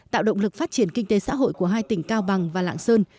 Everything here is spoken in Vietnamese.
tạo động lực phát triển kinh tế xã hội của hai tỉnh cao bằng và lạng sơn